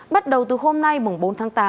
bắt đầu từ hôm nay mùng bốn tháng tám